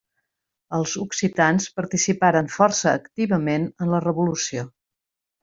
Els occitans participaren força activament en la Revolució.